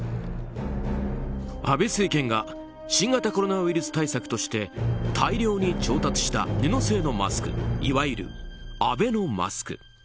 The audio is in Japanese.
安倍政権が新型コロナウイルス対策として大量に調達した布製のマスクいわゆるアベノマスク。